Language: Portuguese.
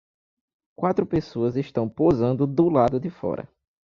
Quatro pessoas estão posando do lado de fora.